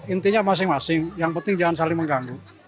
intinya masing masing yang penting jangan saling mengganggu